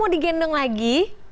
mau digendong lagi